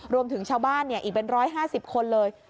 รวมถึงชาวบ้านอีกเป็น๑๕๐คนเลย